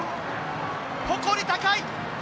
誇り高い！